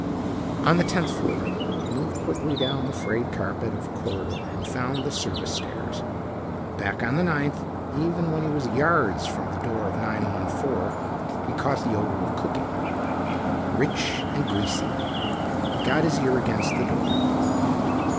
On the tenth floor, he moved quickly down the frayed carpet of a corridor and found the service stairs. Back on the ninth, even when he was yards from the door of 914, he caught the odor of cooking. Rich and greasy. He got his ear against the door.